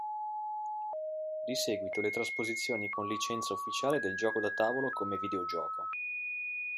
Di seguito le trasposizioni con licenza ufficiale del gioco da tavolo come videogioco.